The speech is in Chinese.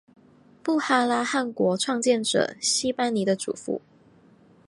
布哈拉汗国创建者昔班尼的祖父。